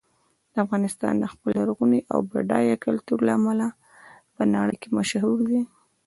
افغانستان د خپل لرغوني او بډایه کلتور له امله په نړۍ کې مشهور دی.